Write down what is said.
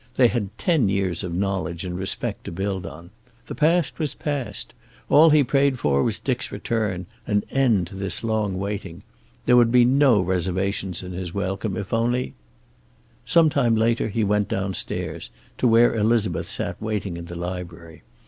They had ten years of knowledge and respect to build on. The past was past. All he prayed for was Dick's return, an end to this long waiting. There would be no reservations in his welcome, if only Some time later he went downstairs, to where Elizabeth sat waiting in the library.